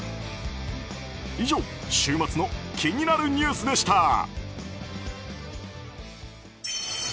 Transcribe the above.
以上週末の気になるニュースでした。